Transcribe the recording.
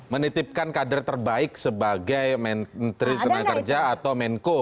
menitipkan kader terbaik sebagai menteri tenaga kerja atau menko